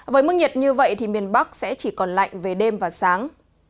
với mức nhiệt như vậy thì miền bắc sẽ chỉ còn lạnh về đêm và sáng